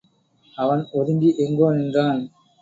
அவன் ஒதுங்கி எங்கோ நின்றான்.